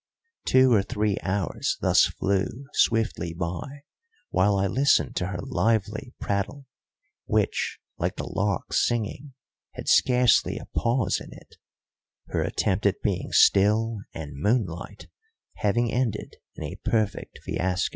Two or three hours thus flew swiftly by while I listened to her lively prattle, which, like the lark's singing, had scarcely a pause in it, her attempt at being still and moonlight having ended in a perfect fiasco.